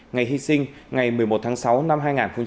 ngày hy sinh ngày một mươi một tháng sáu năm hai nghìn hai mươi